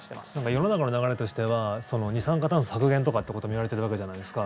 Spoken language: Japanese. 世の中の流れとしては二酸化炭素削減ということも言われてるじゃないですか。